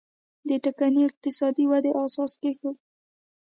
د ټکنۍ اقتصادي ودې اساس کېښود.